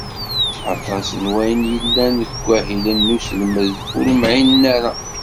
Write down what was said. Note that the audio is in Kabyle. Aṭas n wayen yellan deg wahilen n uselmed ur mɛinen ara.